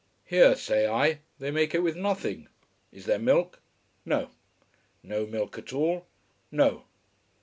Here, say I, they make it with nothing. Is there milk? No. No milk at all? No.